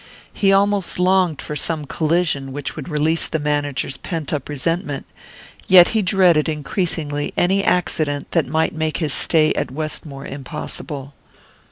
He almost longed for some collision which would release the manager's pent up resentment; yet he dreaded increasingly any accident that might make his stay at Westmore impossible.